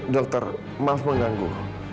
dokter maaf mengganggu